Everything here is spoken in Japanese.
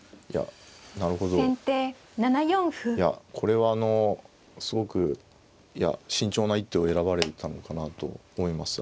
いやこれはあのすごく慎重な一手を選ばれたのかなと思います。